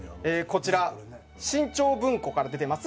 こちら新潮文庫から出てます